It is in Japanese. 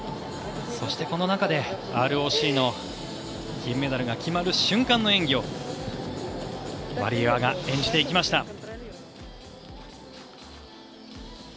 そして、この中でＲＯＣの金メダルが決まる瞬間の演技をワリエワが演じていきました。